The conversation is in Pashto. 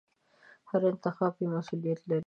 هر انتخاب یو مسوولیت لري.